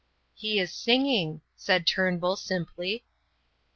"He is singing," said Turnbull, simply.